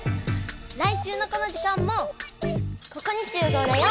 来週のこの時間もここにしゅう合だよ！